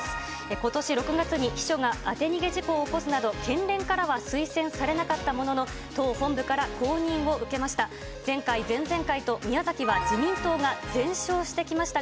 ことし６月に秘書が当て逃げ事故を起こすなど、県連からは推薦されなかったものの、党本部から公認を受けました。